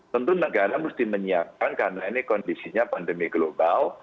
tentu negara mesti menyiapkan karena ini kondisinya pandemi global